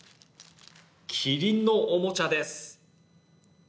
キリンのおもちゃです。